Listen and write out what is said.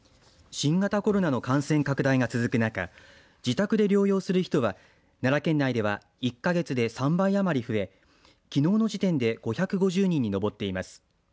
新型コロナの感染拡大が続く中自宅で療養する人は奈良県内では、１か月で３倍あまり増えきのうの時点で５５０人に上っています。